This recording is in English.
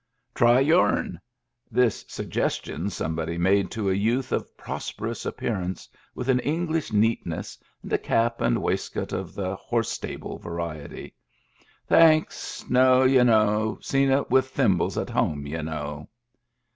" Try youm." This suggestion somebody made to a youth of prosperous appearance, with an English neatness, and a cap and waistcoat of the horse stable variety. " Thanks, no, ye know. Seen it with thimbles at home, ye know."